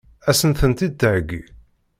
Ad sent-tent-id-theggi?